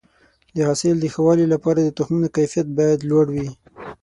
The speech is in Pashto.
د حاصل د ښه والي لپاره د تخمونو کیفیت باید لوړ وي.